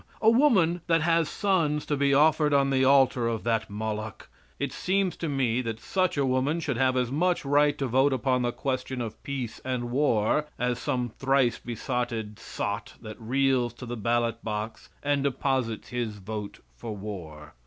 A woman that has sons to be offered on the altar of that Moloch, it seems to me that such a woman should have as much right to vote upon the question of peace and war as some thrice besotted sot that reels to the ballot box and deposits his vote for war.